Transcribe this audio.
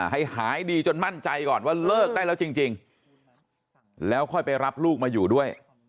ให้หายดีจนมั่นใจก่อนว่าเลิกได้แล้วจริงแล้วค่อยไปรับลูกมาอยู่ด้วย